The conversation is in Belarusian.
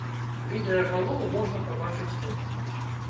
Відэа галоў можна пабачыць тут.